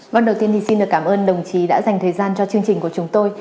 vâng đầu tiên thì xin được cảm ơn đồng chí đã dành thời gian cho chương trình của chúng tôi